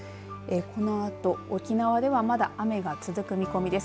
このあと沖縄ではまだ雨が続く見込みです。